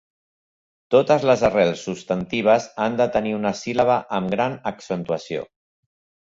Totes les arrels substantives han de tenir una síl·laba amb gran accentuació.